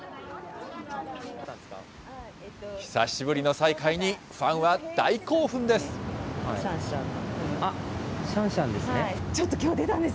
久しぶりの再開に、ファンは大興奮です。